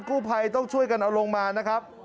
กู้ภัยต้องช่วยกันเอาลงมานะครับ